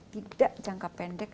tidak jangka pendek